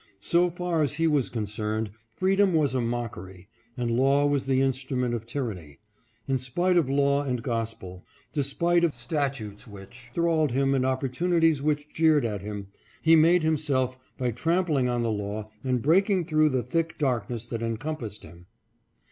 So far as he was concerned freedom was a mockery, and law was the instru ment of tyranny. In spite of law and gospel, despite of statutes MUTUAL APPRECIATION. 565 ■which thralled him and opportunities which jeered at him, he made himself by trampling on the law and breaking through the thick darkness that encompassed him.